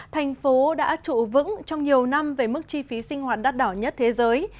thành phố đã trụ vững trong nhiều năm về mức chi phí sinh hoạt đắt đỏ nhất thế giới